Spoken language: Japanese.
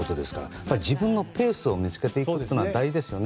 やっぱり自分のペースを見つけていくというのは大事ですよね。